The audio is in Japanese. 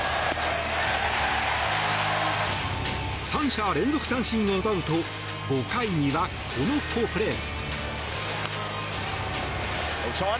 ３者連続三振を奪うと５回には、この好プレー。